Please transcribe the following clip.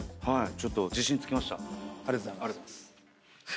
ちょっと自信つきました。